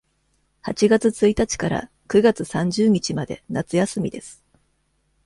八月一日から九月三十日まで夏休みです。